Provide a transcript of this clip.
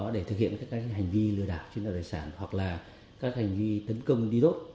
để thực hiện các hành vi lừa đảo chiếm đoạt tài sản hoặc là các hành vi tấn công đi đốt